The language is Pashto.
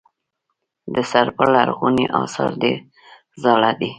د سرپل لرغوني اثار ډیر زاړه دي